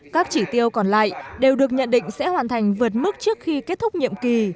các chỉ tiêu còn lại đều được nhận định sẽ hoàn thành vượt mức trước khi kết thúc nhiệm kỳ